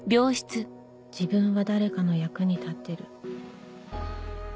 自分は誰かの役に立ってる。